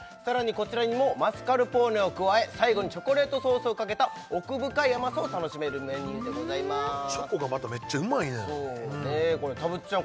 こちらにもマスカルポーネを加え最後にチョコレートソースをかけた奥深い甘さを楽しめるメニューでございますチョコがまためっちゃうまいねんたぶっちゃん